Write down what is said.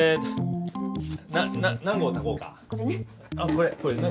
これね。